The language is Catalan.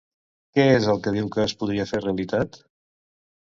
Què és el que diu que es podria fer realitat?